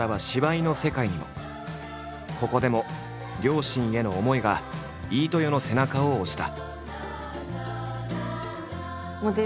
ここでも両親への思いが飯豊の背中を押した。